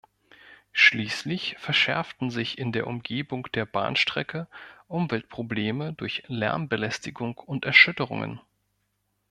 Schließlich verschärften sich in der Umgebung der Bahnstrecke Umweltprobleme durch Lärmbelästigung und Erschütterungen.